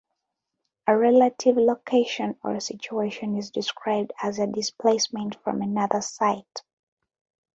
A relative location, or situation, is described as a displacement from another site.